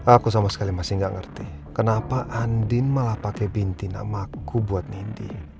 aku sama sekali masih gak ngerti kenapa andin malah pakai binti namaku buat nindi